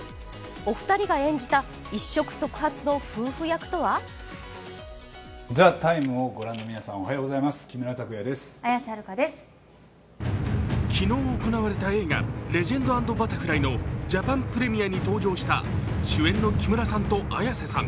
お二人が演じた一触即発の夫婦役とは昨日行われた映画「レジェンド＆バタフライ」のジャパンプレミアに登場した主演の木村さんと綾瀬さん。